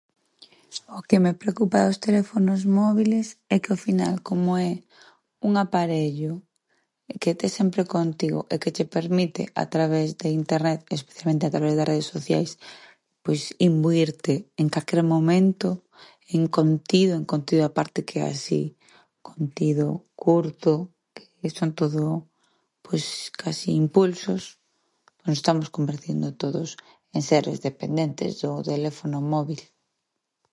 O que me preocupa dos teléfonos móbiles é que ao final como é un aparello que tes sempre contigo e que che permite a través de internet, especialmente, a través das redes sociais, pois imbuírte en calquer momento en contido, contido a parte que é así contido curto que son todo, pois casi impulsos, nos estamos convertindo todos en seres dependentes do teléfono móbil.